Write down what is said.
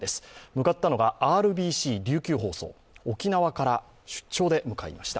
向かったのがＲＢＣ琉球放送、沖縄から出張で向かいました。